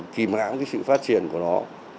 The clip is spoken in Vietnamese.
kìm hám cái sự phát triển của nó